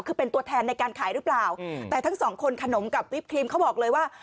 คือเป็นตัวแทนในการขายหรือเปล่าแต่ทั้งสองคนขนมกับวิปครีมเขาบอกเลยว่า